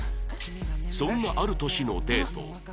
そんなある年のデート